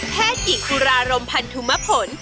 แพทย์หญิงกุรารมภัณฑ์ธุมภล